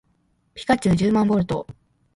ピカチュウじゅうまんボルト